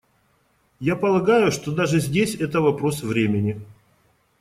Я полагаю, что даже здесь это вопрос времени.